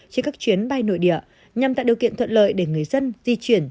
trên các chuyến bay nội địa nhằm tạo điều kiện thuận lợi để người dân di chuyển